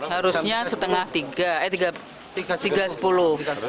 harusnya setengah tiga eh tiga sepuluh